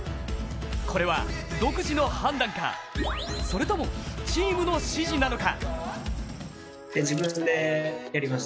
これは独自の判断かそれともチームの指示なのか？